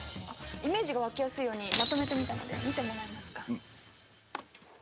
イメージが湧きやすいようにまとめてみたので見てもらえますか？